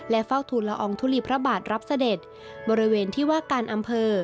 เฝ้าทูลละอองทุลีพระบาทรับเสด็จบริเวณที่ว่าการอำเภอ